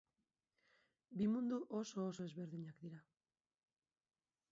Bi mundu oso-oso ezberdinak dira.